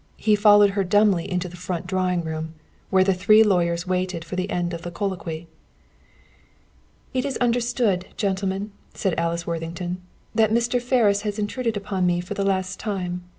He followed her dumbly into the front drawing room, where the three lawyers waited for the end of the colloquy. "It is understood, gentlemen," said Alice Worthington, "that Mr. Ferris has intruded upon me for the last time.